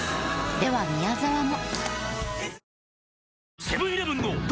では宮沢も。